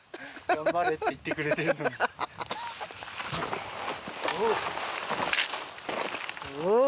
頑張れって言ってくれてるのにおぉおぉ！